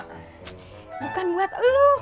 tsk bukan buat lo